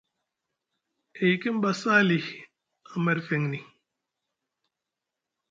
E yikiŋ ba Sali a merfeŋni.